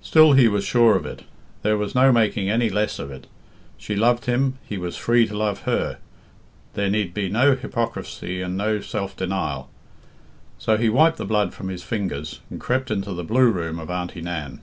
Still, he was sure of it; there was no making any less of it. She loved him, he was free to love her, there need be no hypocrisy and no self denial; so he wiped the blood from his fingers, and crept into the blue room of Auntie Nan.